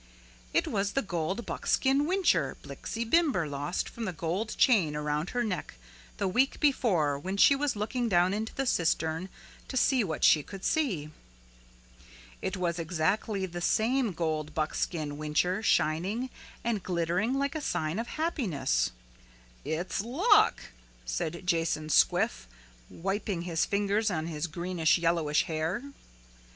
It was the gold buckskin whincher Blixie Bimber lost from the gold chain around her neck the week before when she was looking down into the cistern to see what she could see. It was exactly the same gold buckskin whincher shining and glittering like a sign of happiness. "It's luck," said Jason Squiff, wiping his fingers on his greenish yellowish hair.